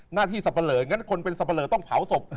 หน้าที่สับเผลออย่างนั้นคนเป็นสับเผลอต้องเผาศพ